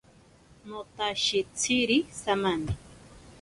Notashitsiri samani.